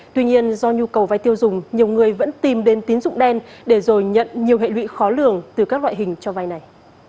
tuy nhiên do nhu cầu vai tiêu dùng nhiều người vẫn tìm đến tín dụng đen để rồi nhận nhiều hệ lụy khó lường từ các loại hình cho vay này